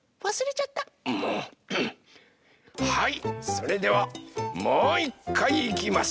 それではもういっかいいきます！